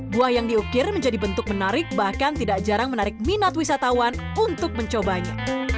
buah yang diukir menjadi bentuk menarik bahkan tidak jarang menarik minat wisatawan untuk mencobanya